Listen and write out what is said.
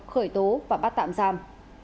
khởi tố và bắt tạm giam